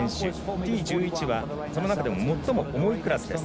Ｔ１１はその中でも最も重いクラスです。